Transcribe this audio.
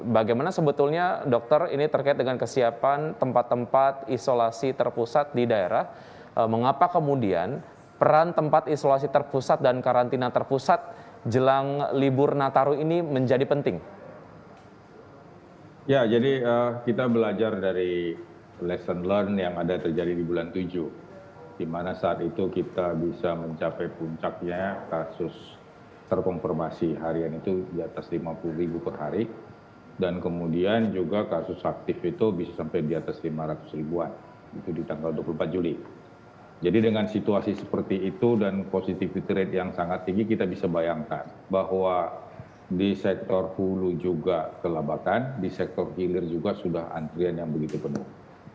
bagaimana sebetulnya kemungkinan wisma atlet kemayoran menopang pademangan jika di sana penuh